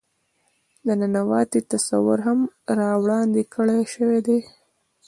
د ننواتې تصور هم را وړاندې کړے شوے دے.